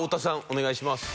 お願いします。